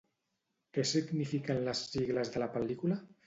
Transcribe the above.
Què signifiquen les sigles de la pel·lícula?